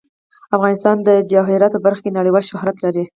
افغانستان د جواهرات په برخه کې نړیوال شهرت لري.